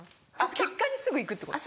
結果にすぐいくってこと？